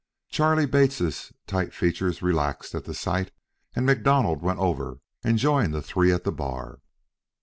Charley Bates' tight features relaxed at the sight, and MacDonald went over and joined the three at the bar.